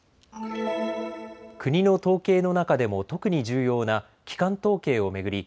国の統計の中でも特に重要な基幹統計を巡り